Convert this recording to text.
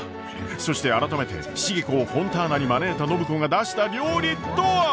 そして改めて重子をフォンターナに招いた暢子が出した料理とは！？